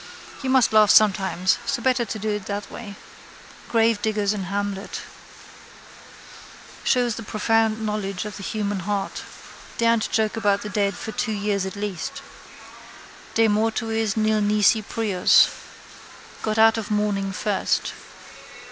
You must laugh sometimes so better do it that way. Gravediggers in Hamlet. Shows the profound knowledge of the human heart. Daren't joke about the dead for two years at least. De mortuis nil nisi prius. Go out of mourning first.